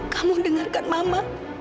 kamu dengarkan mama